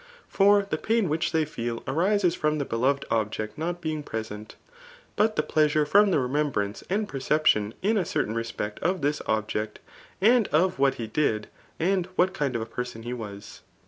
For the pain which they fed arises from the beloved object not being present ; but flie fileasure from die remenArance and perceptieii in n oenain respect of tins object, 2aod of what be ^ and what Und of a person he was.